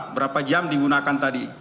berapa jam digunakan tadi